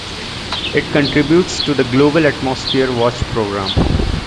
It contributes to the Global Atmosphere Watch program.